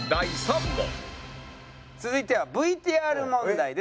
続いてはＶＴＲ問題です。